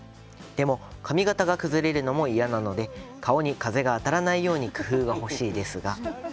でも髪形が崩れるのも嫌なので顔に風が当たらないように工夫が欲しいのですが」。